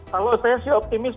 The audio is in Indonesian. kalau saya si optimis